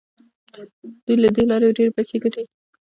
دوی له دې لارې ډیرې پیسې ګټي.